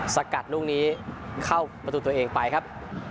สกัดลูกนี้เข้าประตูตัวเองไปครับ